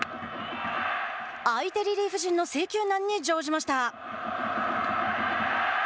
相手リリーフ陣の制球難に乗じました。